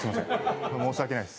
申し訳ないです。